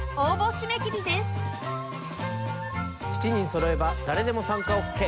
７人そろえば誰でも参加オッケー。